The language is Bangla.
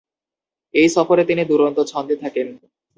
এই সফরে তিনি দুরন্ত ছন্দে থাকেন।